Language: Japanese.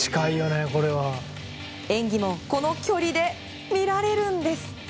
演技もこの距離で見られるんです。